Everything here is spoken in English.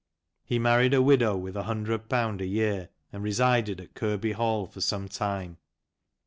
He married a widow with ^100 a year, and resided at Kirby Hall for some time.